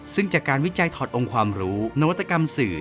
ซึ่งจากการวิจัยถอดองค์ความรู้นวัตกรรมสื่อ